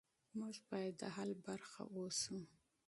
موږ باید د حل برخه اوسو.